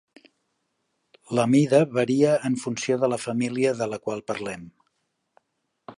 La mida varia en funció de la família de la qual parlem.